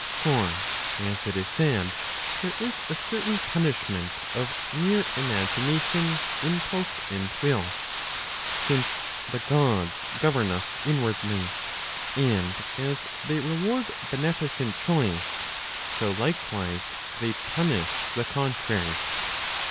For, as it is said, there is a certain punishment of mere imagina¬ tion, impulse and will; since the Gods govern us inwardly, and as they reward beneficent choice, so likewise they punish the contrary.